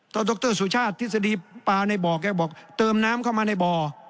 ดรสุชาติทฤษฎีปลาในบ่อแกบอกเติมน้ำเข้ามาในบ่อ